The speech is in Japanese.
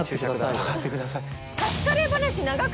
分かってください。